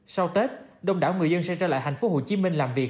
sau tết đông đảo người dân sẽ trở lại thành phố hồ chí minh làm việc